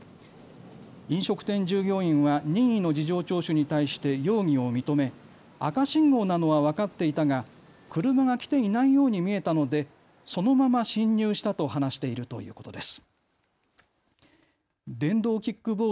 飲食店従業員は任意の事情聴取に対して容疑を認め、赤信号なのは分かっていたが車が来ていないように見えたのでそのまま進入したと話しているということです。